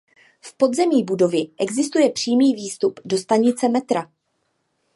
V podzemí budovy existuje přímý výstup do stanice metra.